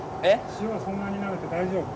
塩をそんなになめて大丈夫？